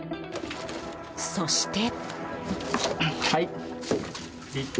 そして。